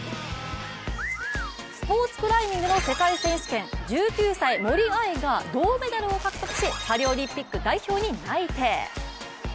スポーツクライミングの世界選手権、１９歳の森秋彩が銅メダルを獲得し、パリオリンピック代表に内定。